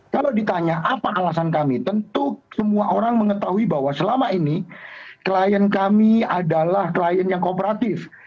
kalau ditanya apa alasan kami tentu semua orang mengetahui bahwa selama ini klien kami adalah klien yang kooperatif